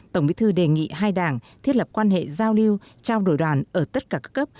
tổng bí thư đề nghị hai đảng thiết lập quan hệ giao lưu trao đổi đoàn ở tất cả các cấp